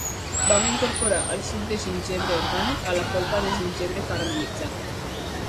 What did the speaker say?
Vam incorporar el suc de gingebre orgànic a la polpa de gingebre caramel·litzat.